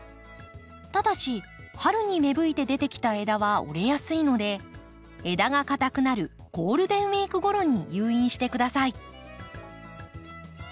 ただし春に芽吹いて出てきた枝は折れやすいので枝が硬くなるゴールデンウィークごろに誘引してください。